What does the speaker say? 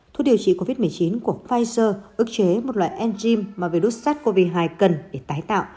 thuốc điều trị covid một mươi chín của pfizer ước chế một loại enzym mà virus sars cov hai cần để tái tạo